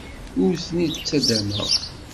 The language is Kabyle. Ur ten-id-ttaddameɣ.